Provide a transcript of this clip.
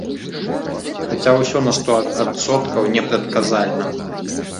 Хаця ўсё на сто адсоткаў непрадказальна.